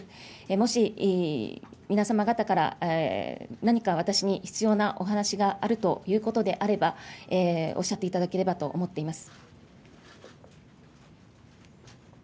もし皆様方から、何か私に必要なお話があるということであれば、おっしゃっていただければと思っています。